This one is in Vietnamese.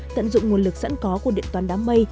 tận dụng nguồn lực sẵn có của điện toán đám mây